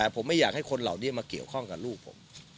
ผมไม่อยากให้คนเหล่านี้มาเกี่ยวข้องกับลูกผม